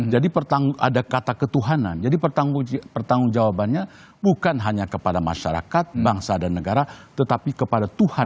jadi ada kata ketuhanan jadi pertanggung jawabannya bukan hanya kepada masyarakat bangsa dan negara tetapi kepada tuhan